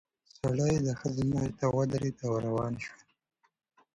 سړی د ښځې مخې ته ودرېد او روان شول.